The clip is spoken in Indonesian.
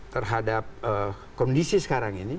terhadap kondisi sekarang ini